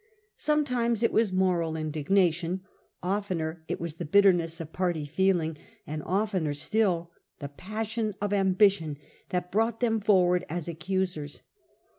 Sometimes it was moral indignation, oftener it was the bitterness of party feeling, and oftener still the passion of ambition, that brought them forward as ac cusers.